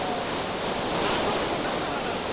あの人だからだって！